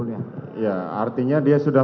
ya artinya dia sudah